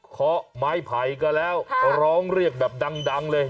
เคาะไม้ไผ่ก็แล้วร้องเรียกแบบดังเลย